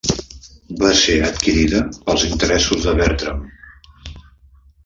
Va ser adquirida pels interessos de Bertram.